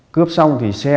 cướp xong thì xe